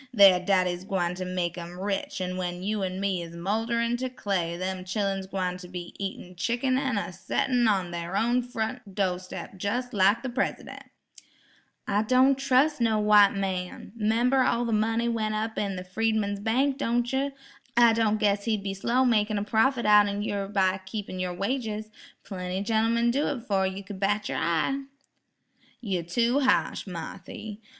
Thar daddy's gwine ter make 'em rich an' when you an' me is moulderin' ter clay dem chillun's gwine ter be eatin' chickun an' a settin' on thar own front do' steps jes' like de Presidun'." "I don' trus' no' white man. 'Member all the money went up in the Freedman's bank, don' yer? I don' guess he'd be slow makin' a profit outen yer by keepin' yer wages. Plenty gentmen'd do it 'fore yer could bat yer eye." "You tew ha'sh, Marthy.